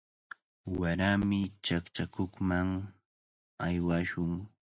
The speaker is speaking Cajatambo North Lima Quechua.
Warami chaqchakuqman aywashun.